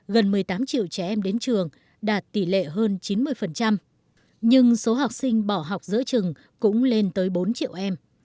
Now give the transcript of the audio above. gần một mươi tám triệu trẻ em đến trường đạt tỷ lệ hơn chín mươi nhưng số học sinh bỏ học giữa trường cũng lên tới bốn triệu em